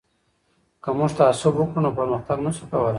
که موږ تعصب وکړو نو پرمختګ نه سو کولای.